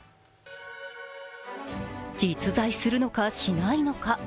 実在するのか、しないのか。